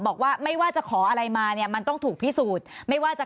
บอกว่าไม่ว่าจะขออะไรมาเนี่ยมันต้องถูกพิสูจน์ไม่ว่าจะ